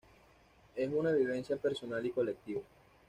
Es una vivencia personal y colectiva.